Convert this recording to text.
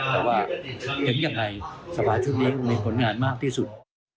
แต่ว่าเห็นยังไงสภาชุดนี้มีผลงานมากที่สุด